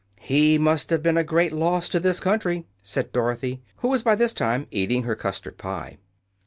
"He must have been a great loss to this country," said Dorothy, who was by this time eating her custard pie.